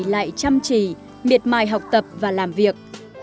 lại chăm chỉ miệt mài học tập và làm việc